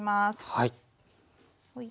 はい。